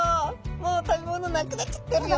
もう食べ物なくなっちゃってるよ」